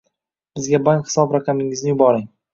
Bizga bank hisob raqamingizni yuboring